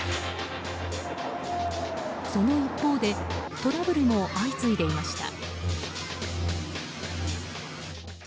その一方でトラブルも相次いでいました。